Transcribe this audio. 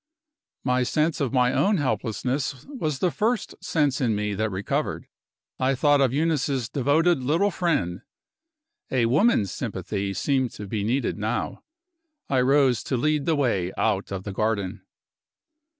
My sense of my own helplessness was the first sense in me that recovered. I thought of Eunice's devoted little friend. A woman's sympathy seemed to be needed now. I rose to lead the way out of the garden.